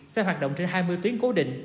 sẽ hoạt động trên hai mươi tuyến cố định